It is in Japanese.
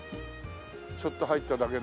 ちょっと入っただけで。